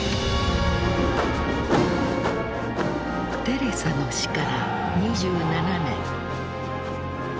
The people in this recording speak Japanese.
テレサの死から２７年。